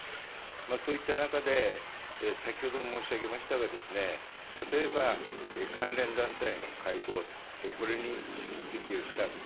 そういった中で先ほども申し上げましたが例えば、関連団体の会合これに出席をしたと。